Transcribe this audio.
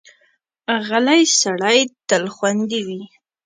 غلی سړی تل خوندي وي.